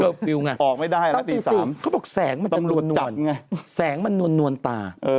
ออกไม่ได้แล้วตี๓ต้องรวดจับไงเขาบอกแสงมันจะนวลแสงมันนวลตา